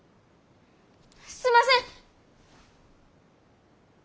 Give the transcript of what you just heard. すんません！